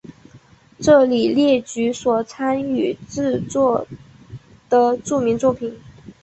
这里列举所参与制作的著名作品。